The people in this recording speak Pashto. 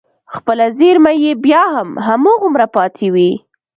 خپله زېرمه يې بيا هم هماغومره پاتې وي.